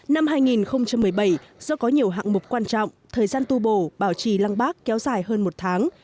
năm hai nghìn một mươi bảy do có nhiều hạng mục quan trọng thời gian tu bổ bảo trì lăng bác kéo dài hơn một tháng